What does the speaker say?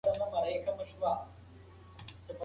دا باغچه ستا په ملکیت کې ده.